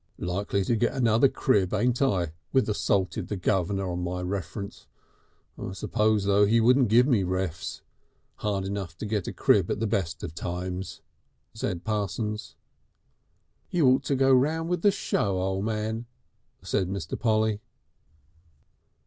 "Likely to get another crib, ain't I with assaulted the guvnor on my reference. I suppose, though, he won't give me refs. Hard enough to get a crib at the best of times," said Parsons. "You ought to go round with a show, O' Man," said Mr. Polly.